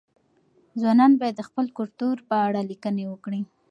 ځوانان باید د خپل کلتور په اړه لیکني وکړي.